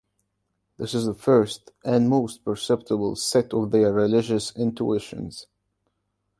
This is the first and most perceptible set of their religious intuitions.